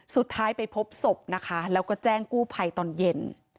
สุดท้ายไปพบศพนะคะแล้วก็แจ้งกู้ภัยตอนเย็น